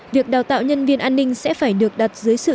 việc đào tạo nhân viên an ninh sẽ phải được đặt dưới sự